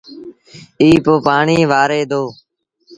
ائيٚݩ پو پآڻيٚ وآري دو